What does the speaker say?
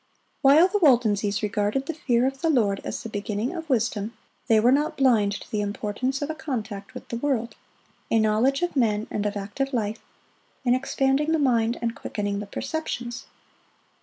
While the Waldenses regarded the fear of the Lord as the beginning of wisdom, they were not blind to the importance of a contact with the world, a knowledge of men and of active life, in expanding the mind and quickening the perceptions.